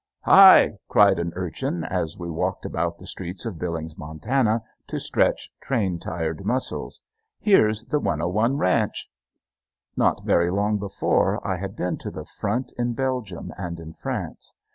"Hi!" cried an urchin as we walked about the streets of Billings, Montana, to stretch train tired muscles. "Here's the 101 Ranch!" Not very long before I had been to the front in Belgium and in France.